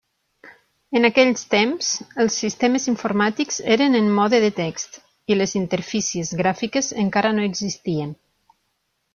En aquells temps, els sistemes informàtics eren en mode de text i les interfícies gràfiques encara no existien.